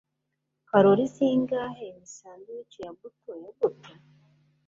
Kalori zingahe ni sandwich ya buto ya buto?